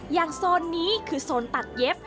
โซนนี้คือโซนตัดเย็บ